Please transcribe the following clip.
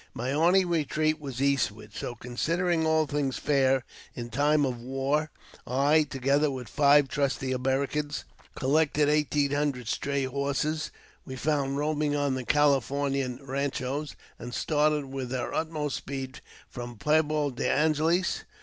My only retreat was eastward ; so, considering all things fair in time of war, I, together with five trusty Americans, collected eighteen hundred stray horses we found roaming on the Californian ranchos, and started with our utmost speed from Pueblo de Angeles.